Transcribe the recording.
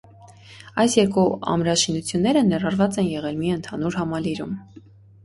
Այս երկու ամրաշինությունները ներառված են եղել մի ընդհանուր համալիրում։